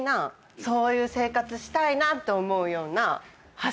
そういう生活したいなって思うような発信をされてて。